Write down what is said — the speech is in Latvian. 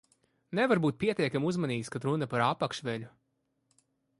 Nevar būt pietiekami uzmanīgs, kad runa par apakšveļu.